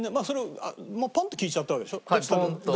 ポンと聞いちゃったわけでしょ？